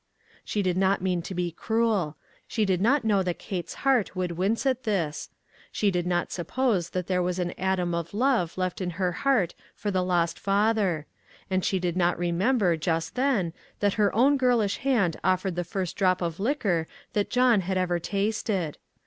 She did not mean to be cruel. She did not know that Kate's heart would wince at this ; she did not suppose that there was an atom of love left in her heart for the lost father; and she did not remember just then that her own girlish hand offered the first drop of liquor that John had ever tasted.